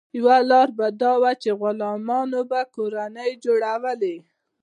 یوه لار دا وه چې غلامانو به کورنۍ جوړولې.